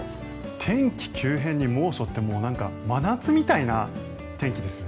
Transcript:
天気急変に猛暑って真夏みたいな天気ですね。